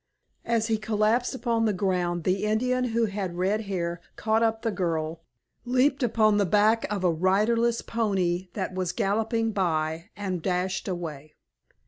As he collapsed upon the ground the Indian who had red hair caught up the girl, leaped upon the back of a riderless pony that was galloping by, and dashed away.